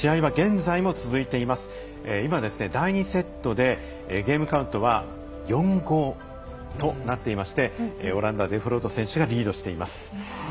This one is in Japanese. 第２セットでゲームカウントは４‐５となっていましてオランダ、デフロート選手がリードしています。